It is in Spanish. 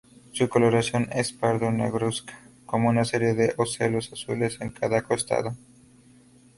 Su coloración es pardo-negruzca, con una serie de ocelos azules en cada costado.